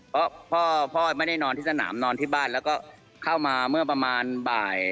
เพราะพ่อไม่ได้นอนที่สนามนอนที่บ้านแล้วก็เข้ามาเมื่อประมาณบ่าย